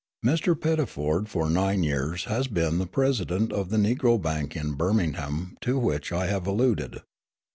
Mr. Pettiford for nine years has been the president of the Negro bank in Birmingham to which I have alluded.